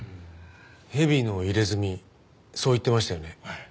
蛇の入れ墨そう言ってましたよね。